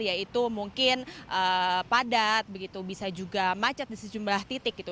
yaitu mungkin padat begitu bisa juga macet di sejumlah titik gitu